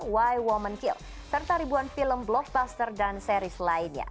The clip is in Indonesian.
y woman kill serta ribuan film blockbuster dan series lainnya